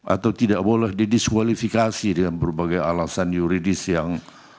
atau tidak boleh didiskualifikasi dengan berbagai alasan yuridis yang